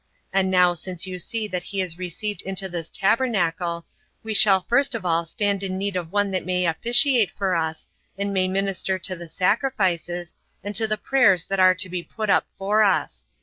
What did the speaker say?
And now since you see that he is received into this tabernacle, we shall first of all stand in need of one that may officiate for us, and may minister to the sacrifices, and to the prayers that are to be put up for us.